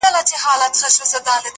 جالبه دا ده یار چي مخامخ جنجال ته ګورم،